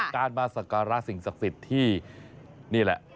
การมาสักการะสิ่งศักดิ์สิทธิ์ที่นี่แหละ